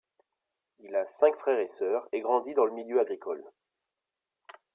Il a cinq frères et sœurs et grandit dans le milieu agricole.